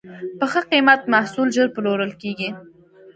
په ښه قیمت محصول ژر پلورل کېږي.